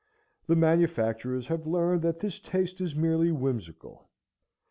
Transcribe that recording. The manufacturers have learned that this taste is merely whimsical.